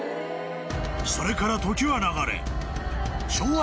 ［それから時は流れ］